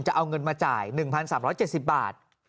จะเอาเงินมาจ่าย๑๓๗๐บาท